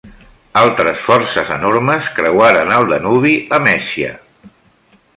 Altres forces enormes creuaren el Danubi a Mèsia.